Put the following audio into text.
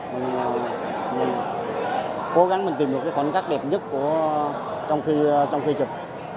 mình cố gắng tìm được khoảnh khắc đẹp nhất trong khi chụp